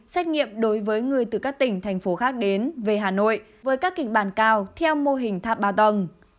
xét nghiệm đối với người từ các tỉnh thành phố khác đến về hà nội với các kịch bản cao theo mô hình tháp ba tầng